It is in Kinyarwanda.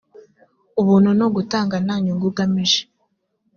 ubuntu nugutanga ntanyungu ugamije.